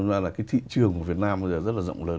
nga là cái thị trường của việt nam bây giờ rất là rộng lớn